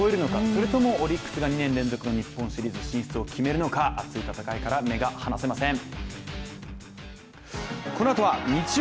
それともオリックスが２年連続の日本シリーズ進出を決めるのか熱い戦いから目が離せません。